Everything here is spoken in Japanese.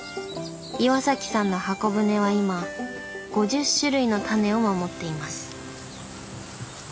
岩さんの箱舟は今５０種類のタネを守っています。